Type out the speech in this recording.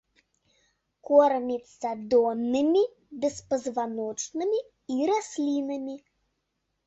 Корміцца доннымі беспазваночнымі і раслінамі.